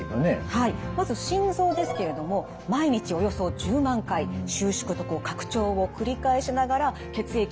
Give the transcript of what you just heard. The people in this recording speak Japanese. はいまず心臓ですけれども毎日およそ１０万回収縮と拡張を繰り返しながら血液を全身に送り出しています。